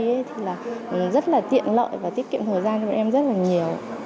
và tiết kiệm thời gian cho bọn em rất là nhiều